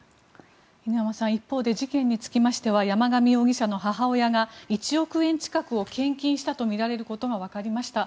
犬山さん、一方で事件につきましては山上容疑者の母親が１億円近くを献金したとみられることがわかりました。